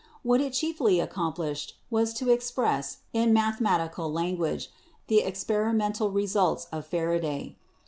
What it chiefly accomplished was to express, in mathematical language, the experi mental results of Faraday.